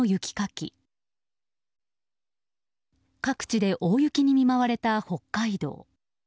各地で大雪に見舞われた北海道。